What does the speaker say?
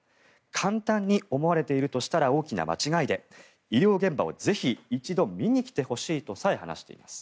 簡単に思われているとしたら大きな間違いで医療現場をぜひ一度見に来てほしいとさえ話しています。